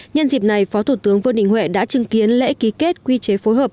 nhân dịp này phó thủ tướng vương đình huệ đã chứng kiến lễ ký kết quy chế phối hợp